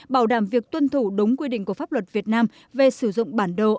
bảo đảm việc tuân thủ đúng quy định của pháp luật việt nam về sử dụng bản đồ